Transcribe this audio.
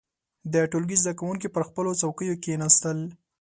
• د ټولګي زده کوونکي پر خپلو څوکيو کښېناستل.